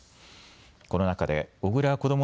この中で小倉こども